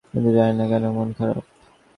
কিন্তু জানি না কেন মন খারাপ।